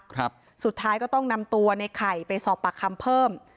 ครับสุดท้ายก็ต้องนำตัวในไข่ไปสอบปากคำเพิ่ม